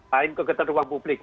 main kegetar ruang publik